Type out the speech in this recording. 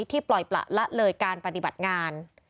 ปล่อยประละเลยการปฏิบัติงาน